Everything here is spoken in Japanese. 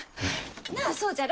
なあそうじゃろ？